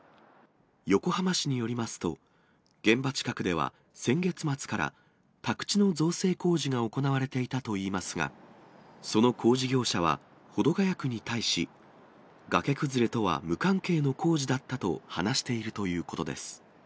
横浜市によりますと、現場近くでは先月末から、宅地の造成工事が行われていたといいますが、その工事業者は保土ケ谷区に対し、崖崩れとは無関係の工事だったと話しているということです。